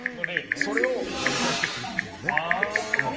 それを出してくれっていうね。